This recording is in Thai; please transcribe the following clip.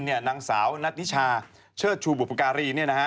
นางสาวนัทนิชาเชิดชูบุพการี